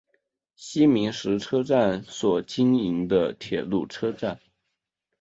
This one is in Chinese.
西明石车站所经营的铁路车站。